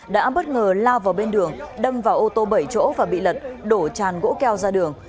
đã bất ngờ lao vào bên đường đâm vào ô tô bảy chỗ và bị lật đổ tràn gỗ keo ra đường